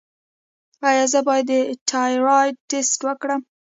ایا زه باید د تایرايډ ټسټ وکړم؟